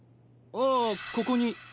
ああここに。